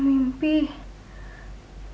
ayah belum pulang